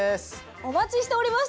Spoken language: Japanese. お持ちしておりました。